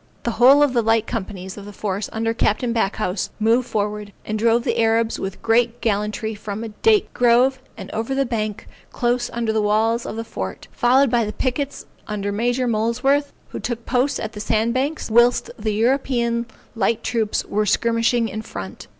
The whole of the light companies of the force under Capt. Backhouse, moved forward, and drove the Arabs with great gallantry from a date grove, and over the bank close under the walls of the fort, followed by the pickets under Major Molesworth, who took post at the sand banks, whilst the European light troops were skirmishing in front.